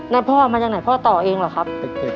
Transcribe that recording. แล้วพ่อเอามาจากไหนพ่อต่อเองเหรอครับ